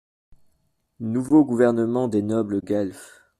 - Nouveau gouvernement des nobles guelfes.